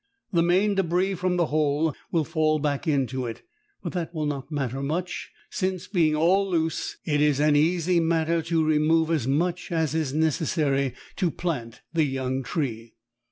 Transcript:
The main debris from the hole will fall back into it, but that will not matter much, since, being all loose, it is an easy matter to remove as much as is necessary to plant the young tree.